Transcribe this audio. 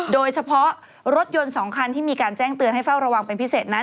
โดยเฉพาะรถยนต์๒คันที่มีการแจ้งเตือนให้เฝ้าระวังเป็นพิเศษนั้น